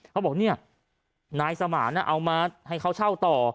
เขาบอกเนี่ยนายสมานเอามาให้เขาเช่าต่อ